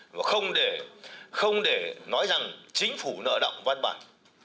và không để nói rằng chính phủ nở động văn bản